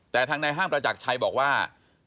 แต่ทางในห้างประจักรชัยบอกว่า